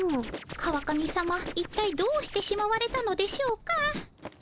川上さまいったいどうしてしまわれたのでしょうか。